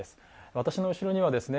私の後ろにはですね